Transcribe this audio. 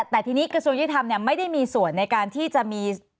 แต่ทีนี้กระทรวงยุทธรรมไม่ได้มีส่วนในการที่จะมี